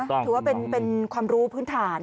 ถือว่าเป็นความรู้พื้นฐาน